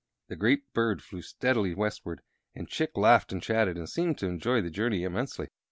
The great bird flew steadily westward, and Chick laughed and chatted, and seemed to enjoy the journey immensely.